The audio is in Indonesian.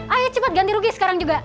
ayo cepat ganti rugi sekarang juga